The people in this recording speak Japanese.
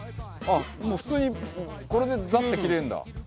あっもう普通にこれでザッて切れるんだ。